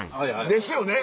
ですよね。